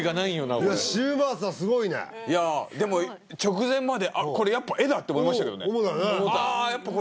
これ嶋佐すごいねいやでも直前までこれやっぱ絵だって思いましたけどね思ったね